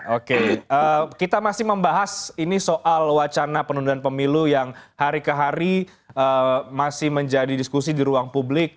oke kita masih membahas ini soal wacana penundaan pemilu yang hari ke hari masih menjadi diskusi di ruang publik